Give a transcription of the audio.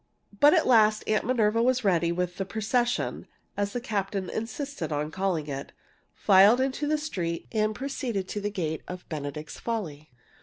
But at last Aunt Minerva was ready, and the "procession" (as the captain insisted on calling it) filed into the street and proceeded to the gate of "Benedict's Folly."